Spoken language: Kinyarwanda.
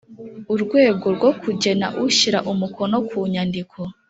urwego rwo kugena ushyira umukono ku nyandiko